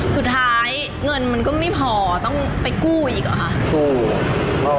สุดท้ายเงินมันก็ไม่พอต้องไปกู้อีกเหรอคะ